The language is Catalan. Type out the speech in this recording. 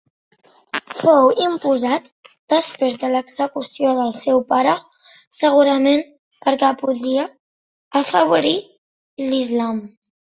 Fou imposat després de l'execució del seu pare segurament perquè podia afavorir l'islam.